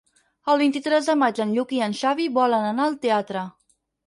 El vint-i-tres de maig en Lluc i en Xavi volen anar al teatre.